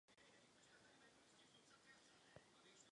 Během svého parlamentního působení se spřátelil s Tomášem Masarykem.